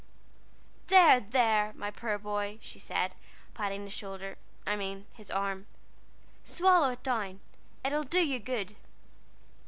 "There! there! my poor boy," she said, patting his shoulder I mean his arm "swallow it down it'll do you good."